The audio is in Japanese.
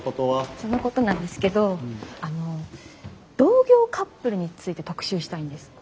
そのことなんですけどあの同業カップルについて特集したいんです。